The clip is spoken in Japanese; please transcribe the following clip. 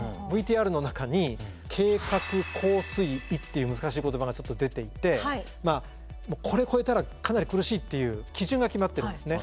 ＶＴＲの中に「計画高水位」っていう難しい言葉がちょっと出ていてこれ超えたらかなり苦しいっていう基準が決まってるんですね。